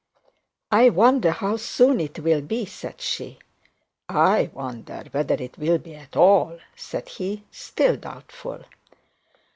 'I wonder how soon it will be,' said she. 'I wonder whether it will be at all,' said he, still doubtful.